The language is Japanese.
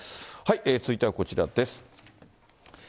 続いてはこちらです。